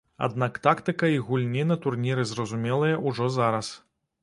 Аднак тактыка іх гульні на турніры зразумелая ўжо зараз.